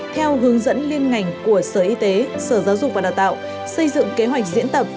theo hướng dẫn liên ngành của sở y tế sở giáo dục và đào tạo xây dựng kế hoạch diễn tập